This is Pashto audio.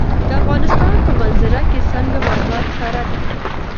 د افغانستان په منظره کې سنگ مرمر ښکاره ده.